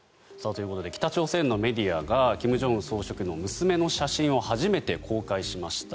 ということで北朝鮮のメディアが金正恩総書記の娘の写真を初めて公開しました。